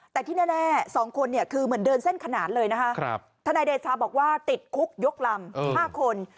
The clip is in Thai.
แต่ที่แน่๒คนเนี่ยคือเหมือนเดินเส้นขนาดเลยนะคะทนายเดชาบอกว่าติดคุกยกลำ๕คน